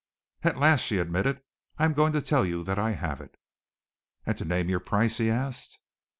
"At last," she admitted, "I am going to tell you that I have it!" "And to name your price?" he asked.